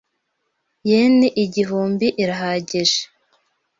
Yen igihumbi irahagije?